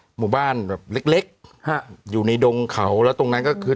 หมู่บ้านแบบเล็กเล็กฮะอยู่ในดงเขาแล้วตรงนั้นก็คือ